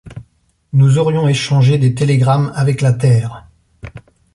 Nous aurions échangé des télégrammes avec la Terre!